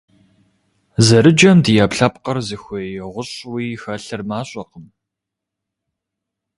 Зэрыджэм ди Ӏэпкълъэпкъыр зыхуей гъущӀуи хэлъыр мащӀэкъым.